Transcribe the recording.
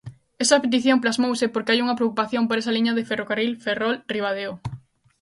Esa petición plasmouse porque hai unha preocupación por esa liña de ferrocarril Ferrol-Ribadeo.